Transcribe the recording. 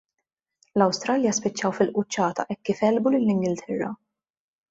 l-Awstralja spiċċaw fil-quċċata hekk kif għelbu lill-Ingilterra.